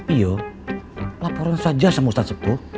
iya laporin saja sama ustadz sepuh